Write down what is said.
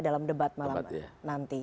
dalam debat malam nanti